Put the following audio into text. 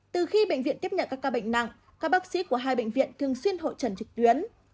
từ khi bệnh viện tiếp nhận các ca bệnh nặng các bác sĩ của hai bệnh viện thường xuyên hội trần trực tuyến